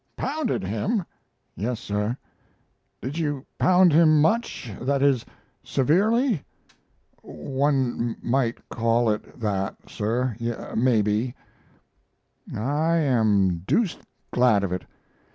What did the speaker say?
"Pounded him?" "Yes, sir." "Did you pound him much that is, severely?" "One might call it that, sir, maybe." "I am deuced glad of it!